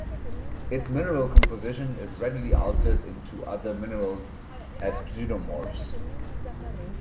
Its mineral composition is readily altered into other minerals as pseudomorphs.